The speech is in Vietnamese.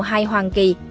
hai hoàng kỳ